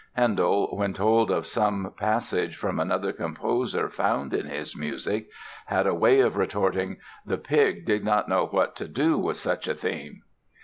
Handel, when told of some passage from another composer found in his music had a way of retorting: "The pig did not know what to do with such a theme."